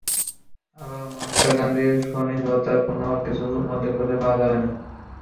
আবার মহাত্মা গান্ধীর স্বনির্ভরতারও কোনো কিছু তাঁর মধ্যে খুঁজে পাওয়া যাবে না।